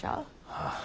ああ。